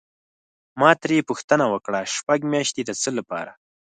ما ترې پوښتنه وکړه: شپږ میاشتې د څه لپاره؟